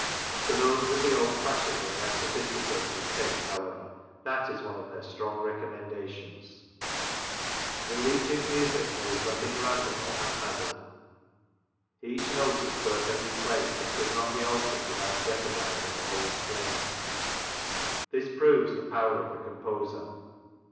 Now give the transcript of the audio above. To those with the old fashioned and less sophisticated tastes, however, that is one of their strong recommendations. In Leach's music there is nothing random or haphazard, each note is perfectly placed, and could not be altered with out jeopardising the whole straia This proves the power of the composer.